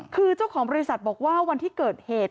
คือเจ้าของบริษัทบอกว่าวันที่เกิดเหตุ